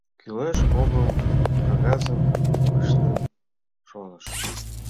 Кӱлеш-огыл кагазым пыштет, шонышым.